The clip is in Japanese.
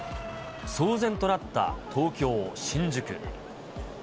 騒然となった東京・新宿。